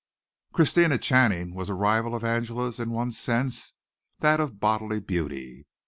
Christina Channing was a rival of Angela's in one sense, that of bodily beauty.